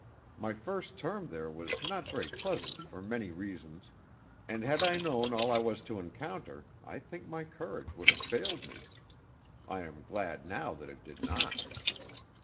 My first term there was not very pleasant for many reasons, and had I known all I was to encounter I think my courage would have failed me. I am glad now that it did not."